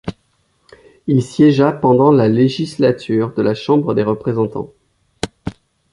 Il siégea pendant la législature de la Chambre des représentants.